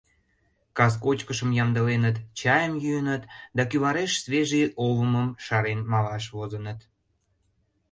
Кас кочкышым ямдыленыт, чайым йӱыныт да кӱвареш свежий олымым шарен малаш возыныт.